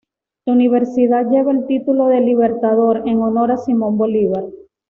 La universidad lleva el título de "Libertador" en honor a Simón Bolívar.